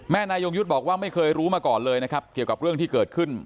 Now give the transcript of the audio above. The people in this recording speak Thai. นายยงยุทธ์บอกว่าไม่เคยรู้มาก่อนเลยนะครับเกี่ยวกับเรื่องที่เกิดขึ้น